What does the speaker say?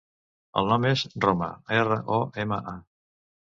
El nom és Roma: erra, o, ema, a.